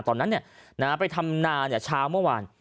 ตอนนั้นไปทำนาเช้าเมื่อวาน